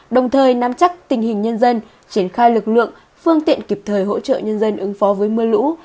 đồng thời nắm chắc tình hình nhân dân triển khai lực lượng phương tiện kịp thời hỗ trợ nhân dân ứng phó với mưa lũ